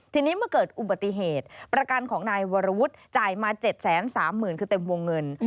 ทีนี้เมื่อเกิดอุบัติเหตุประกันของนายวรวุฒิจ่ายมา๗๓๐๐๐คือเต็มวงเงิน